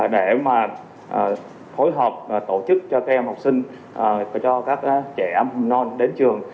để mà phối hợp và tổ chức cho các em học sinh cho các trẻ non đến trường